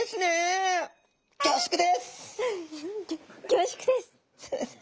恐縮です！